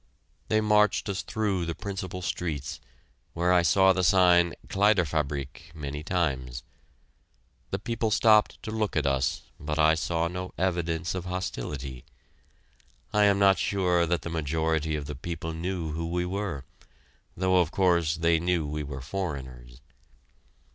They marched us through the principal streets, where I saw the sign "Kleiderfabrik" many times. The people stopped to look at us, but I saw no evidence of hostility. I am not sure that the majority of the people knew who we were, though of course they knew we were foreigners.